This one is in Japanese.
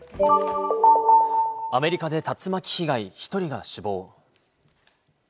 アメリカで竜巻被害、１人が死亡。